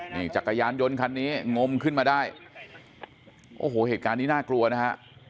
นี่จักรยานยนต์คันนี้งมขึ้นมาได้โอ้โหเหตุการณ์นี้น่ากลัวนะฮะ